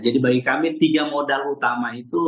jadi bagi kami tiga modal utama itu